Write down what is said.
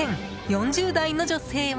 ４０代の女性は。